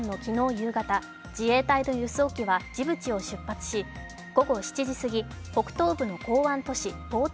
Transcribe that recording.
夕方、自衛隊の輸送機はジブチを出発し午後７時過ぎ北東部の港湾都市ポート